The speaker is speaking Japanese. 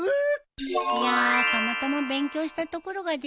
いやたまたま勉強したところが出たんだよ。